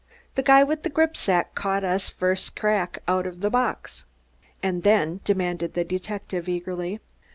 The guy with the gripsack caught us first crack out of the box." "And then?" demanded the detective eagerly.